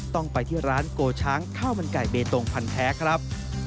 ต้องไปที่ร้านโกช้างข้าวมันไก่เบตงพันธ์แท้ครับ